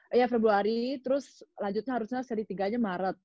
eh februari terus lanjutnya harusnya seri tiga nya maret